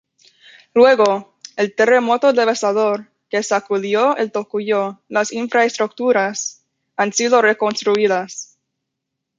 Luego del terremoto devastador que sacudió El Tocuyo, las infraestructuras han sido reconstruidas.